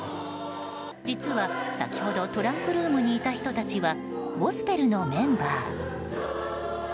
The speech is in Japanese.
実は先ほどトランクルームにいた人たちはゴスペルのメンバー。